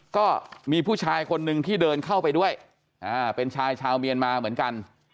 ก็มีผู้ชายคนนึงที่เดินเข้าไปด้วยเป็นชายชาวเมียนมาเหมือนกัน